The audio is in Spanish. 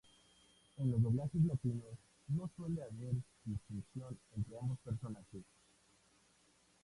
En los doblajes latinos no suele haber distinción entre ambos personajes.